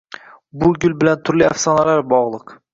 Bu gul bilan turli afsonalar bogliq.